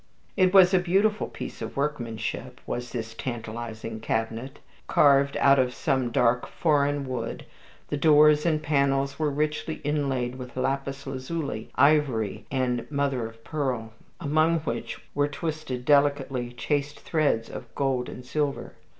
It was a beautiful piece of workmanship, was this tantalizing cabinet. Carved out of some dark foreign wood, the doors and panels were richly inlaid with lapis lazuli, ivory, and mother of pearl, among which were twisted delicately chased threads of gold and silver.